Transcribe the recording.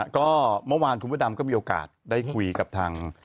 ก็เมื่อวานคุณพระดำก็มีโอกาสได้คุยกับทาง